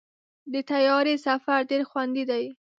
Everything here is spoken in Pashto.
د طیارې سفر ډېر خوندي دی.